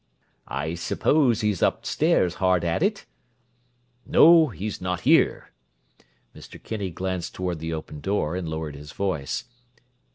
"I suppose he's upstairs hard at it?" "No, he's not here." Mr. Kinney glanced toward the open door and lowered his voice.